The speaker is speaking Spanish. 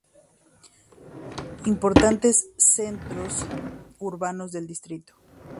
Importantes centros urbanos del distrito.